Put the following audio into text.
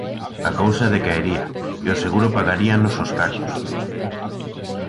A cousa decaería, e o seguro pagaríanos os cartos…